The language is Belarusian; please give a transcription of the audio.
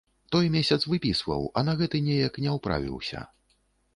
Той месяц выпісваў, а на гэты неяк не ўправіўся.